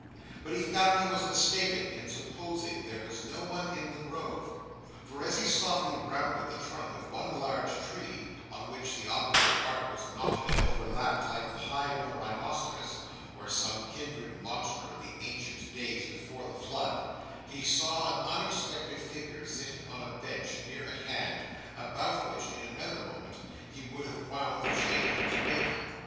But he found he was mistaken in supposing there was no one in the grove, for as he softly rounded the trunk of one large tree, on which the obdurate bark was knotted and overlapped like the hide of a rhinoceros or some kindred monster of the ancient days before the Flood, he saw an unexpected figure sitting on a bench near at hand, about which, in another moment, he would have wound the chain he was making.